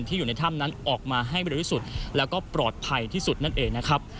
อยู่ในถ้ำนั้นออกมาให้เร็วที่สุดแล้วก็ปลอดภัยที่สุดนั่นเองนะครับ